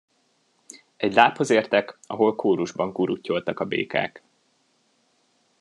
Egy láphoz értek, ahol kórusban kuruttyoltak a békák.